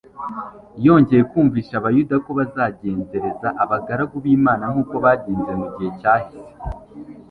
yongera kumvisha abayuda ko bazagenzereza abagaragu b'Imana nk'uko bagenje mu gihe cyahise,